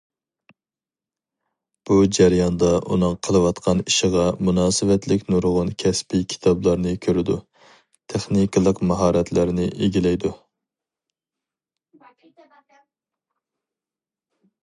بۇ جەرياندا ئۇنىڭ قىلىۋاتقان ئىشىغا مۇناسىۋەتلىك نۇرغۇن كەسپىي كىتابلارنى كۆرىدۇ، تېخنىكىلىق ماھارەتلەرنى ئىگىلەيدۇ.